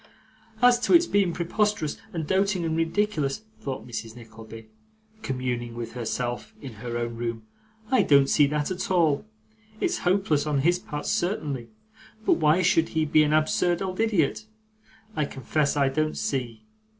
'As to its being preposterous, and doting, and ridiculous,' thought Mrs Nickleby, communing with herself in her own room, 'I don't see that, at all. It's hopeless on his part, certainly; but why he should be an absurd old idiot, I confess I don't see.